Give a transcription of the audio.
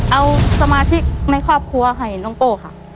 เอาสมาชิกในครอบครัวให้น้องโอ้ค่ะ